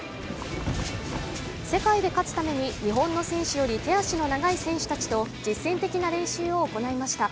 世界で勝つために、日本の選手より手足の長い選手たちと実戦的な練習を行いました。